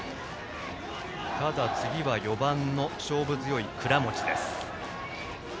ただ、次は４番の勝負強い倉持です。